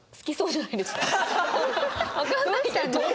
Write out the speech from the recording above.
わかんないけど。